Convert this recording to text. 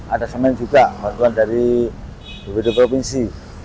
ada semen juga bantuan dari bpd provinsi